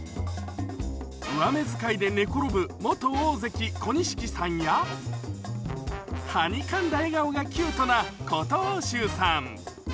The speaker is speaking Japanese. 上目づかいで寝転ぶ元大関・小錦さんや、はにかんだ笑顔がキュートな琴欧洲さん。